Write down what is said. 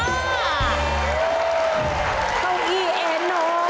เก้าอี้นอน